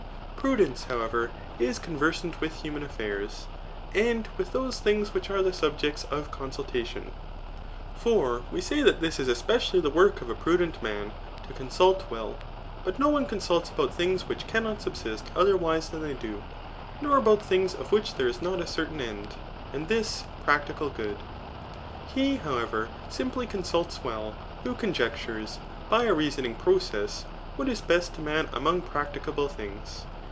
Prudence, however, is coo* versant with human affairs, and with those things which are the subjects of consuhation ; for we say that this is especially the work of a prudent man, to consult welL But no one consults about things which cannot subsist otherwise than they do, nor about things of which there is not a certain end, and this, practical good. He, how* ever, simply consults well, who conjectures, by a reason ing process, what is best to man among practicable things.